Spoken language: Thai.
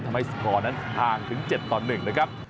ทำให้สกรนั้นห่างถึง๗ต่อ๑นะครับ